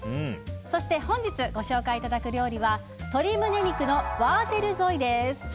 そして本日ご紹介いただく料理は鶏胸肉のワーテルゾイです。